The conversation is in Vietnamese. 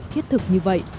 thiết thực như vậy